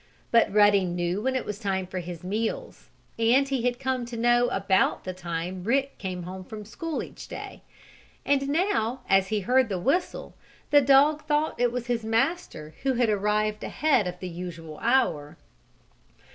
But Ruddy knew when it was time for his meals, and he had come to know about the time Rick came home from school each day. And now, as he heard the whistle, the dog thought it was his master who had arrived ahead of the usual hour.